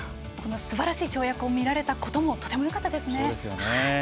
すばらしい跳躍を見られたこともとてもよかったですね。